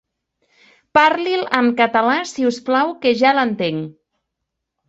Parli'l en català, si us plau, que ja l'entenc.